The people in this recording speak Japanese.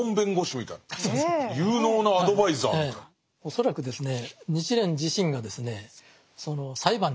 恐らくですね